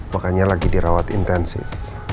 makanya lagi dirawat intensif